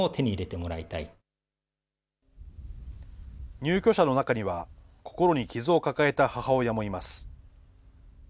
入居者の中には、心に傷を抱えた母親もいます。